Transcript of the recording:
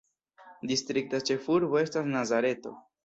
Distrikta ĉefurbo estas Nazareto.